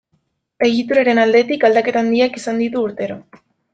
Egituraren aldetik aldaketa handiak izan ditu urtero.